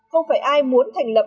không phải ai muốn thành lập